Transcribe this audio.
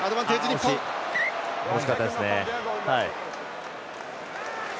惜しかったですね。